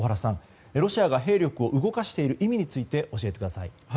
ロシア軍が兵力を動かしている意味について教えてください。